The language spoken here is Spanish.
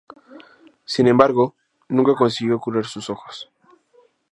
Sin embargo, nunca consiguió curar sus ojos.